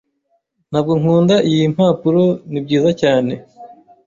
Ntabwo nkunda iyi mpapuro. Nibyiza cyane.